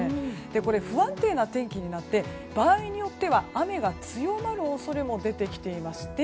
不安定な天気になって場合によっては雨が強まる恐れも出てきていまして